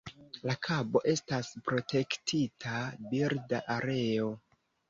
La kabo estas protektita birda areo.